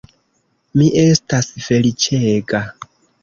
Mi estas feliĉega.